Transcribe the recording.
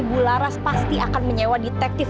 bu laras pasti akan menyewa detektif